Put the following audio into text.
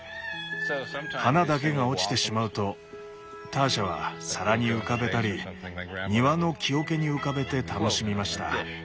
花だけが落ちてしまうとターシャは皿に浮かべたり庭の木桶に浮かべて楽しみました。